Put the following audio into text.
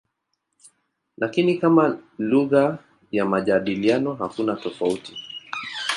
Lakini kama lugha ya majadiliano hakuna tofauti.